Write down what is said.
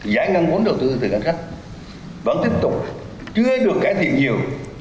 giải ngăn vốn đầu tư từ các khách vẫn tiếp tục chưa được cải thiện nhiều